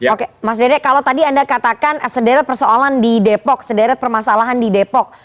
oke mas dede kalau tadi anda katakan sederet persoalan di depok sederet permasalahan di depok